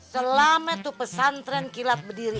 selama itu pesantren kilat berdiri